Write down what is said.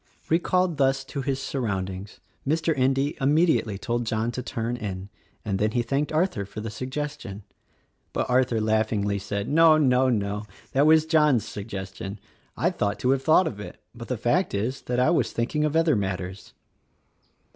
Recalled thus to his surroundings Mr. Endy imme 102 THE RECORDING ANGEL diately told John to turn in, and then he thanked Arthur for the suggestion. But Arthur laughingly said, "No, no, that was John's suggestion. I ought to have thought of it, but the fact is that I was thinking of other matters."